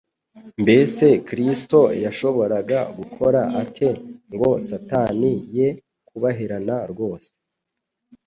Mbese Kristo yashoboraga gukora ate ngo Satani ye kubaherana rwose?